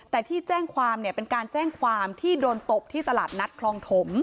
แต่ที่แจ้งความเนี่ยเป็นการแจ้งความที่โดนตบที่ตลาดนัดคลองถม